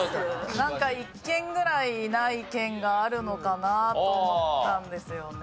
なんか１県ぐらいない県があるのかなと思ったんですよね。